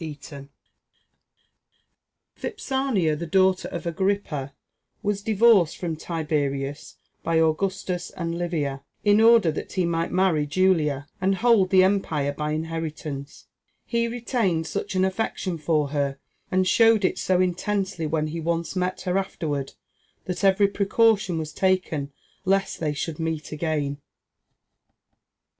["Vipsania, the daughter of Agrippa, was divorced from Tiberius by Augustus and Livia, in order that he might marry Julia, and hold the empire by inheritance. He retained such an affection for her, and showed it so intensely when he once met her afterward, that every precaution was taken lest they should meet again."